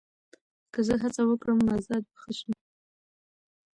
که زه هڅه وکړم، مزاج به ښه شي.